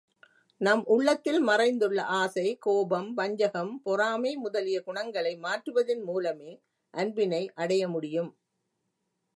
நம் உள்ளத்தில் மறைந்துள்ள ஆசை, கோபம், வஞ்சகம், பொறாமை முதலிய குணங்களை மாற்றுவதின் மூலமே அன்பினை அடைய முடியும்.